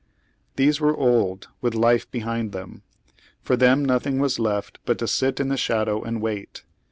These were old, with life behind them. For them nothing was left but to sit in the shadow and wait.